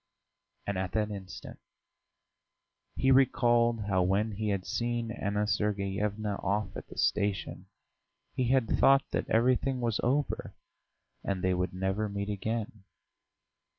And at that instant he recalled how when he had seen Anna Sergeyevna off at the station he had thought that everything was over and they would never meet again.